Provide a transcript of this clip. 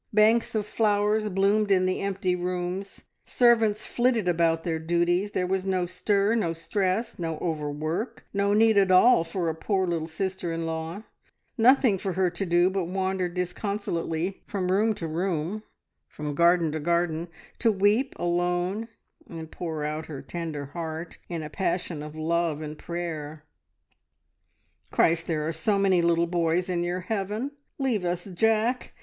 Banks of flowers bloomed in the empty rooms, servants flitted about their duties; there was no stir, no stress, no overwork, no need at all for a poor little sister in law; nothing for her to do but wander disconsolately from room to room, from garden to garden, to weep alone, and pour out her tender heart in a passion of love and prayer. "Christ, there are so many little boys in your heaven leave us Jack!